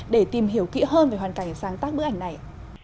để tìm hiểu kỹ hơn về hoàn cảnh sáng tác bức ảnh này